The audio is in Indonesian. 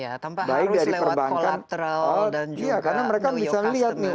ya tanpa harus lewat kolateral dan juga new york customer